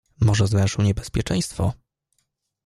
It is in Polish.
"Może zwęszył niebezpieczeństwo?"